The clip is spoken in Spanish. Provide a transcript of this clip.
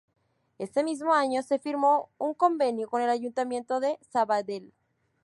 Ese mismo año se firmó un convenio con el Ayuntamiento de Sabadell.